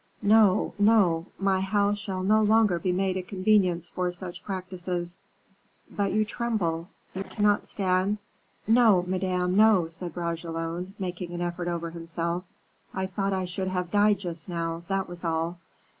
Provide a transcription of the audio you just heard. No, no! my house shall no longer be made a convenience for such practices; but you tremble, you cannot stand " "No, Madame, no," said Bragelonne, making an effort over himself; "I thought I should have died just now, that was all.